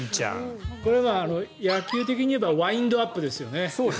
これは野球的に言えばワインドアップですよね。